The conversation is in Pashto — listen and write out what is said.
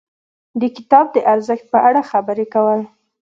د کتاب د ارزښت په اړه خبرې کول.